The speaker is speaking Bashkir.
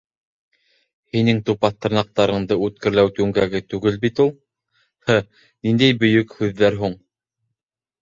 Һинең тупаҫ тырнаҡтарыңды үткерләү түңгәге түгел бит ул. һы, ниндәй Бөйөк һүҙҙәр һуң?